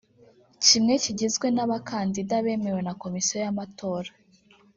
Kimwe kigizwe n’abakandida bemewe na Komisiyo y’amatora